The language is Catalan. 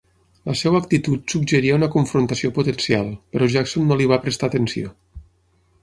La seva actitud suggeria una confrontació potencial, però Jackson no li va prestar atenció.